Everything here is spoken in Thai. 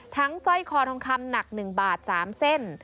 สร้อยคอทองคำหนัก๑บาท๓เส้น